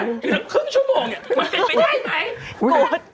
แม่งกล้องทึ่งชั่วโมงมันที่ไปได้ไหม